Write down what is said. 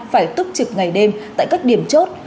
phải tức trực ngày đêm tại các điểm chốt